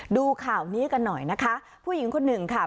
ดูข่าวนี้กันหน่อยนะคะผู้หญิงคนหนึ่งค่ะ